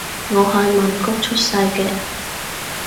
我係曼谷出世嘅